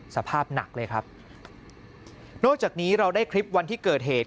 สภาพหนักเลยครับนอกจากนี้เราได้คลิปวันที่เกิดเหตุ